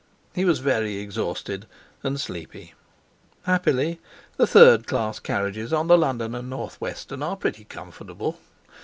He was very exhausted and sleepy. Happily the third class carriages on the London & North Western are pretty comfortable.